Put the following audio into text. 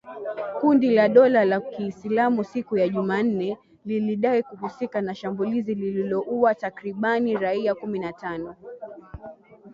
Kundi la dola ya kiisilamu siku ya Jumanne lilidai kuhusika na shambulizi lililoua takribani raia kumi na tano